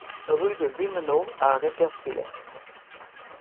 Rue de Wimmenau à Reipertswiller